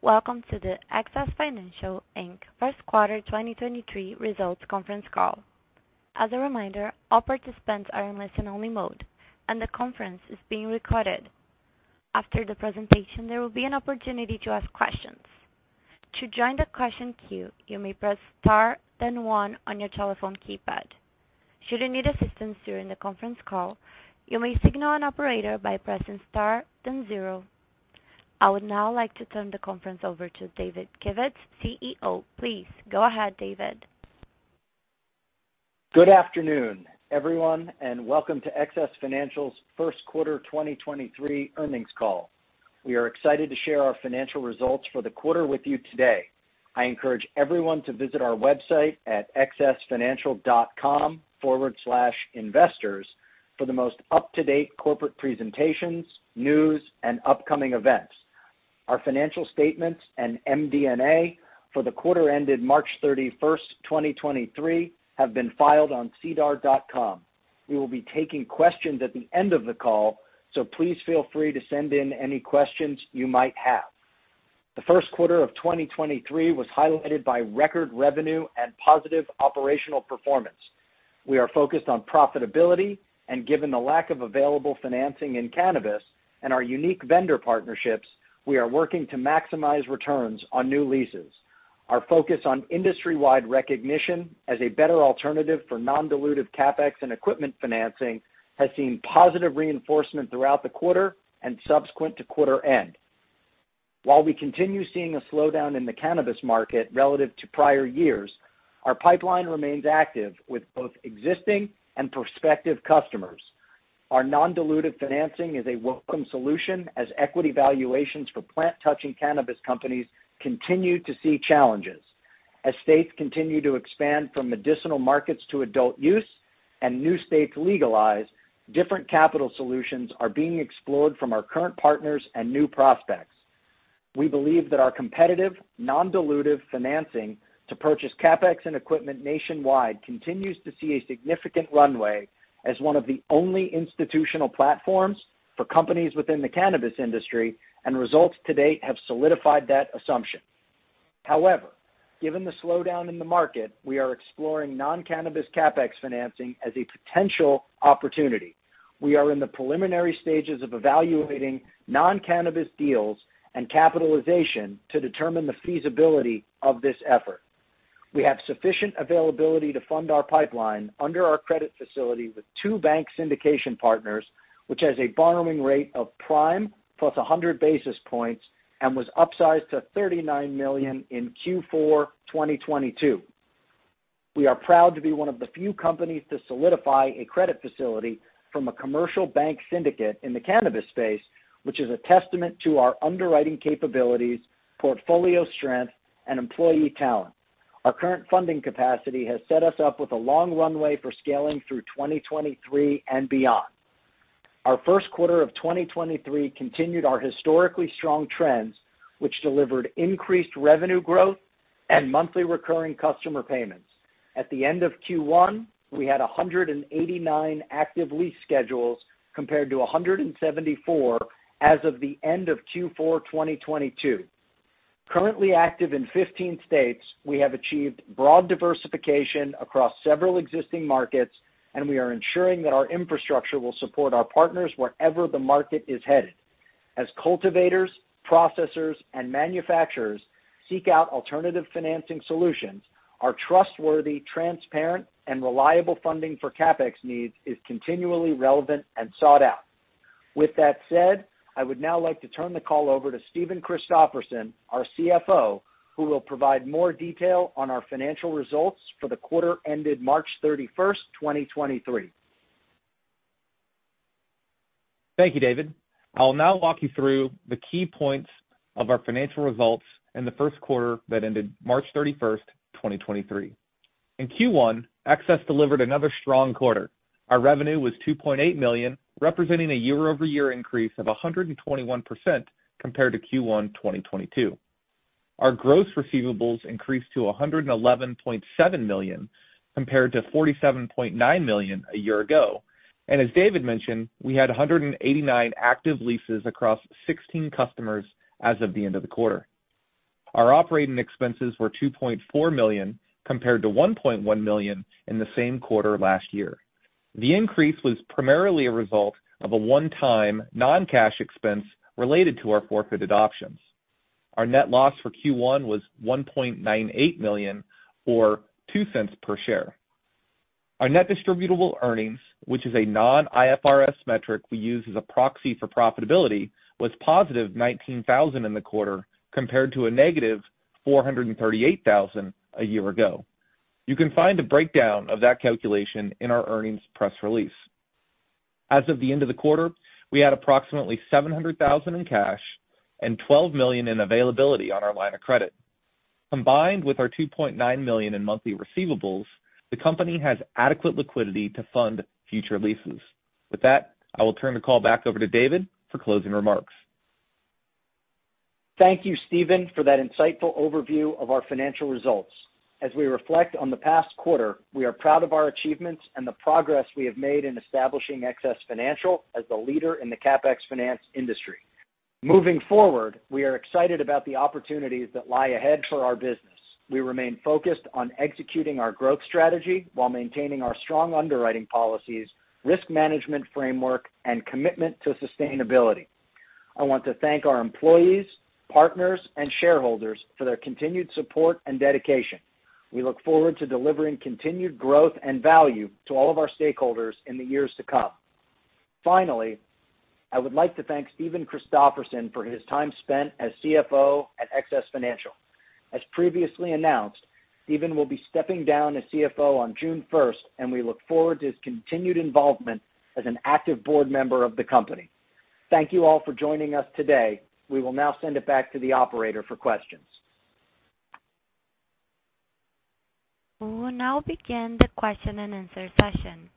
Welcome to the XS Financial Inc. First Quarter 2023 Results Conference Call. As a reminder, all participants are in listen-only mode, and the conference is being recorded. After the presentation, there will be an opportunity to ask questions. To join the question queue, you may press star then one on your telephone keypad. Should you need assistance during the conference call, you may signal an operator by pressing Star then 0. I would now like to turn the conference over to David Kivitz, CEO. Please go ahead, David. Good afternoon, everyone, welcome to XS Financial's First Quarter 2023 Earnings Call. We are excited to share our financial results for the quarter with you today. I encourage everyone to visit our website at xsfinancial.com/investors for the most up-to-date corporate presentations, news, and upcoming events. Our financial statements and MD&A for the quarter ended March 31, 2023, have been filed on SEDAR.com. We will be taking questions at the end of the call, so please feel free to send in any questions you might have. The first quarter of 2023 was highlighted by record revenue and positive operational performance. We are focused on profitability, and given the lack of available financing in cannabis and our unique vendor partnerships, we are working to maximize returns on new leases. Our focus on industry-wide recognition as a better alternative for non-dilutive CapEx and equipment financing has seen positive reinforcement throughout the quarter and subsequent to quarter end. While we continue seeing a slowdown in the cannabis market relative to prior years, our pipeline remains active with both existing and prospective customers. Our non-dilutive financing is a welcome solution as equity valuations for plant-touching cannabis companies continue to see challenges. As states continue to expand from medicinal markets to adult use and new states legalize, different capital solutions are being explored from our current partners and new prospects. We believe that our competitive, non-dilutive financing to purchase CapEx and equipment nationwide continues to see a significant runway as one of the only institutional platforms for companies within the cannabis industry, and results to date have solidified that assumption. However, given the slowdown in the market, we are exploring non-cannabis CapEx financing as a potential opportunity. We are in the preliminary stages of evaluating non-cannabis deals and capitalization to determine the feasibility of this effort. We have sufficient availability to fund our pipeline under our credit facility with two bank syndication partners, which has a borrowing rate of prime plus 100 basis points and was upsized to $39 million in Q4 2022. We are proud to be one of the few companies to solidify a credit facility from a commercial bank syndicate in the cannabis space, which is a testament to our underwriting capabilities, portfolio strength, and employee talent. Our current funding capacity has set us up with a long runway for scaling through 2023 and beyond. Our first quarter of 2023 continued our historically strong trends, which delivered increased revenue growth and monthly recurring customer payments. At the end of Q1, we had 189 active lease schedules, compared to 174 as of the end of Q4 2022. Currently active in 15 states, we have achieved broad diversification across several existing markets, and we are ensuring that our infrastructure will support our partners wherever the market is headed. As cultivators, processors, and manufacturers seek out alternative financing solutions, our trustworthy, transparent, and reliable funding for CapEx needs is continually relevant and sought out. With that said, I would now like to turn the call over to Joe Fazzini, our CFO, who will provide more detail on our financial results for the quarter ended March 31st, 2023. Thank you, David. I will now walk you through the key points of our financial results in the first quarter that ended March 31, 2023. In Q1, XS delivered another strong quarter. Our revenue was $2.8 million, representing a year-over-year increase of 121% compared to Q1 2022. Our gross receivables increased to $111.7 million, compared to $47.9 million a year ago. As David mentioned, we had 189 active leases across 16 customers as of the end of the quarter. Our operating expenses were $2.4 million, compared to $1.1 million in the same quarter last year. The increase was primarily a result of a one-time non-cash expense related to our forfeited options. Our net loss for Q1 was $1.98 million, or $0.02 per share. Our net distributable earnings, which is a non-IFRS metric we use as a proxy for profitability, was positive $19,000 in the quarter, compared to a negative $438,000 a year ago. You can find a breakdown of that calculation in our earnings press release. As of the end of the quarter, we had approximately $700,000 in cash and $12 million in availability on our line of credit. Combined with our $2.9 million in monthly receivables, the company has adequate liquidity to fund future leases. With that, I will turn the call back over to David for closing remarks. Thank you, Joe Fazzini, for that insightful overview of our financial results. As we reflect on the past quarter, we are proud of our achievements and the progress we have made in establishing XS Financial as the leader in the CapEx finance industry. Moving forward, we are excited about the opportunities that lie ahead for our business. We remain focused on executing our growth strategy while maintaining our strong underwriting policies, risk management framework, and commitment to sustainability. I want to thank our employees, partners, and shareholders for their continued support and dedication. We look forward to delivering continued growth and value to all of our stakeholders in the years to come. Finally, I would like to thank Joe Fazzini for his time spent as CFO at XS Financial. As previously announced, Joe Fazzini will be stepping down as CFO on June 1, and we look forward to his continued involvement as an active board member of the company. Thank you all for joining us today. We will now send it back to the operator for questions. We will now begin the Question-and-Answer Session.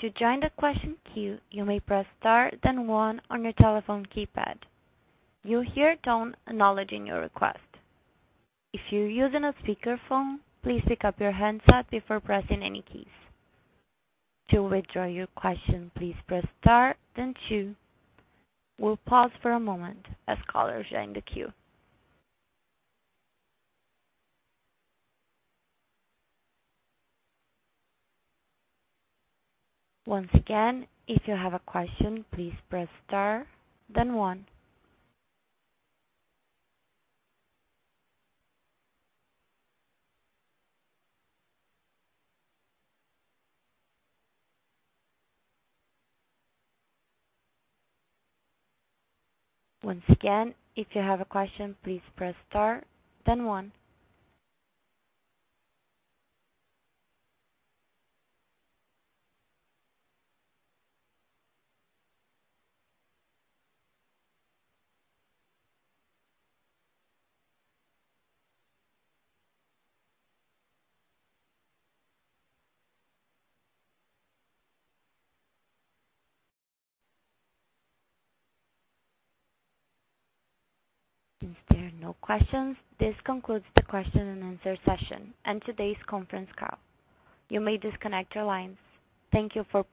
To join the question queue, you may press star, then one on your telephone keypad. You'll hear a tone acknowledging your request. If you're using a speakerphone, please pick up your handset before pressing any keys. To withdraw your question, please press star, then two. We'll pause for a moment as callers join the queue. Once again, if you have a question, please press star, then one. Once again, if you have a question, please press star, then one. Since there are no questions, this concludes the Question-and-Answer Session and today's conference call. You may disconnect your lines. Thank you for participating.